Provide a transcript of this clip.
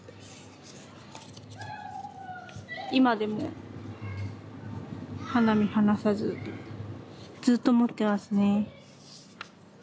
今でも肌身離さずずっと持ってますね。